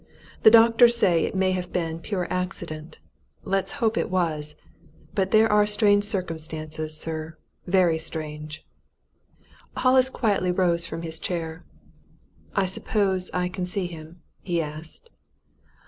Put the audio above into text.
The doctors say it may have been pure accident. Let's hope it was! But there are strange circumstances, sir very strange!" Hollis quietly rose from his chair. "I suppose I can see him?" he asked.